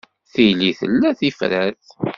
Tili tella tifrat.